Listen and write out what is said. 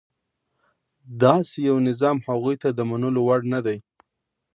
داسې یو نظام هغوی ته د منلو وړ نه دی.